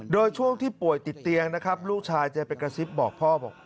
โดยช่วงที่ป่วยติดเตียงนะครับลูกชายจะไปกระซิบบอกพ่อบอก